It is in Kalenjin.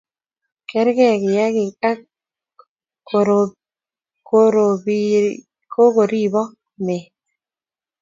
Kerkei kiyaki ak kororibo met